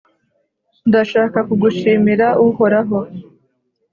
Ndashaka kugushimira, Uhoraho